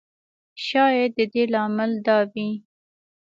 شاید د دې لامل دا وي.